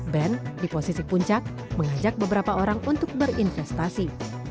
band di posisi puncak mengajak beberapa orang untuk berinvestasi